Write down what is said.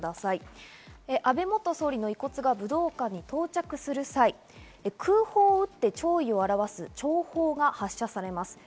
安倍元総理の遺骨が武道館に到着する際、空砲を撃って、弔意をあらわす弔砲が発射されます。